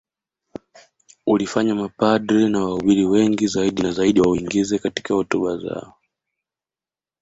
Ulifanya mapadri na wahubiri wengi zaidi na zaidi wauingize katika hotuba zao